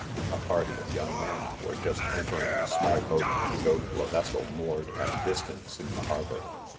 A party of young men were just entering a small boat to go to a vessel moored at a dis tance in the harbor.